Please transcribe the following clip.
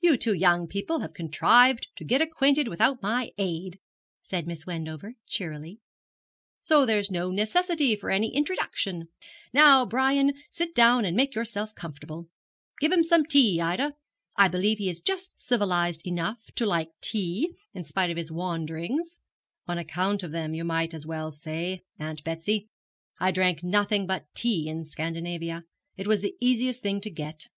'You two young people have contrived to get acquainted without my aid,' said Miss Wendover, cheerily, 'so there's no necessity for any introduction. Now, Brian, sit down and make yourself comfortable. Give him some tea, Ida. I believe he is just civilized enough to like tea, in spite of his wanderings.' 'On account of them you might as well say, Aunt Betsy. I drank nothing but tea in Scandinavia. It was the easiest thing to get.'